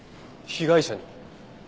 被害者に？